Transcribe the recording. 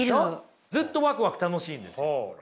ずっとワクワク楽しいんです。